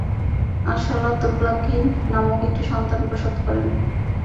আর সালা তুবলাকীন নামক একটি সন্তান প্রসব করেন।